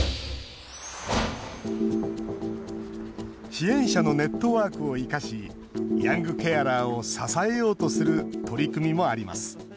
支援者のネットワークを生かしヤングケアラーを支えようとする取り組みもあります。